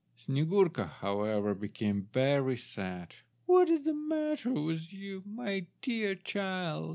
Snyegurka, however, became very sad. "What is the matter with you, my dear child?"